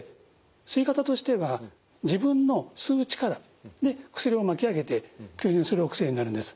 吸い方としては自分の吸う力で薬を巻き上げて吸入するお薬になるんです。